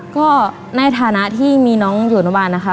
ก็ในฐานะที่มีน้องอยู่อนุบาลนะคะ